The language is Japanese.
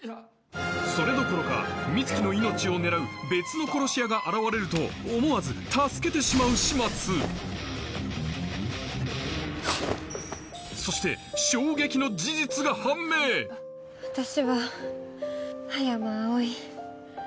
それどころか美月の命を狙う別の殺し屋が現れると思わず助けてしまう始末そして私は葉山葵。